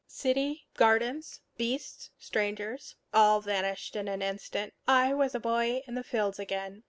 City, gardens, beasts, strangers, all vanished in an instant. I was a boy in the fields again.